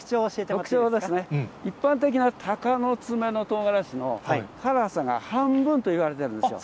特徴は一般的な鷹の爪のとうがらしの辛さが半分といわれてるんですよ。